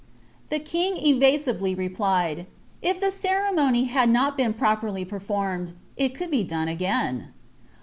"' The king evasively replied, " If tlie ceremony had not been properiy perfonned, it could be done again."